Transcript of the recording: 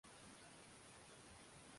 Karatasi kubwa.